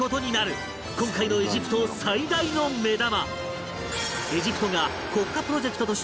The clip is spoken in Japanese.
今回のエジプト最大の目玉